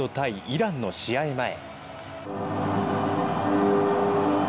イランの試合前。